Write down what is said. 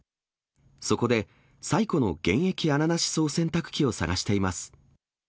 そこで、最古の現役穴なし槽洗濯機を探しています。